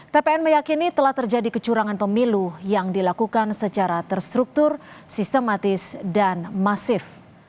tpn meyakini telah terjadi kecurangan pemilu yang dilakukan secara terstruktur sistematis dan masif